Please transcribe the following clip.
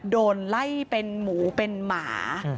โดนไล่เป็นหมูเป็นหมา